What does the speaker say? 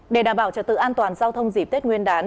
để đảm bảo trật tự an toàn giao thông dịp tết nguyên đán